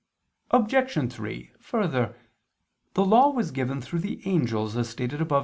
Obj. 3: Further, the law was given through the angels, as stated above (A.